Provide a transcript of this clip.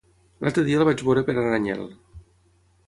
L'altre dia el vaig veure per Aranyel.